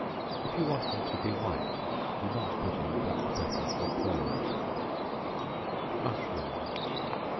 If you want them to be white, do not put in black pepper or cloves. Mushrooms.